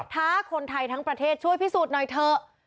ท้าคนไทยทั้งประเทศช่วยพิสูจน์หน่อยเถอะ